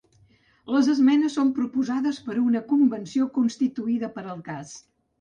Les esmenes són proposades per una convenció constituïda per al cas.